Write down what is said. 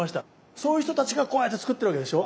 そういう人たちがこうやって作ってるわけでしょ。